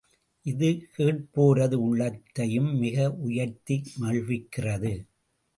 இது கேட்போரது உள்ளத்தையும் மிக உயர்த்தி மகிழ்விக்கிறது.